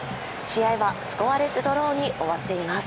試合はスコアレスドローに終わっています。